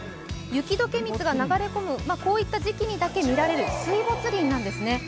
雪解け水が流れ込む時期にだけ見られる水没林なんです。